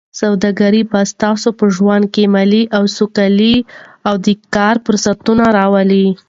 سوداګري به ستاسو په ژوند کې مالي سوکالي او د کار فرصتونه راولي.